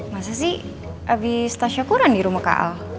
masa sih abis tasya kurang di rumah kaal